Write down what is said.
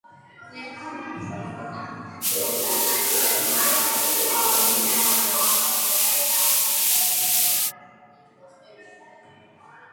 ლეიბლთან თანამშრომლობენ ან თანამშრომლობდნენ: მაიკლ ჯექსონი, მერაია კერი, ავრილ ლავინი, შადეი და სხვები.